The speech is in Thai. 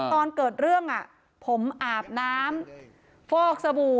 ตอนเกิดเรื่องผมอาบน้ำฟอกสบู่